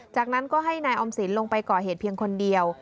จากนั้นก็ให้นายออมสินลงไปก่อเหตุเพียงคนเดียว